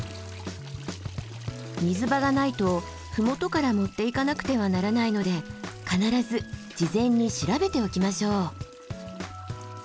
水場がないと麓から持っていかなくてはならないので必ず事前に調べておきましょう。